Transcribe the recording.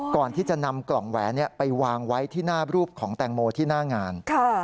ก่อนที่จะนำกล่องแหวนไปวางไว้ที่หน้ารูปของแตงโมที่หน้างาน